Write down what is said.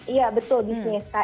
iya betul bisnis